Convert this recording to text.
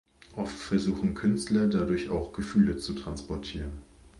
Oft versuchen Künstler dadurch auch Gefühle zu transportieren.